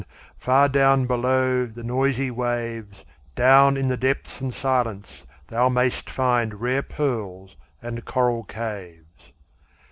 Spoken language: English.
far down below the noisy waves, Down in the depths and silence thou mayst find Rare pearls and coral caves.